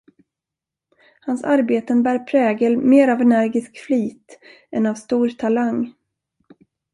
Hans arbeten bär prägel mer av energisk flit än av stor talang.